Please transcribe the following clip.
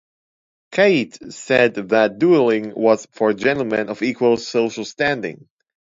Keitt said that dueling was for gentlemen of equal social standing.